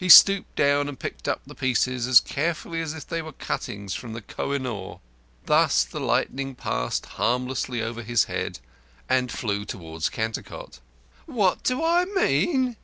He stooped down and picked up the pieces as carefully as if they were cuttings from the Koh i noor. Thus the lightning passed harmlessly over his head and flew towards Cantercot. "What do I mean?"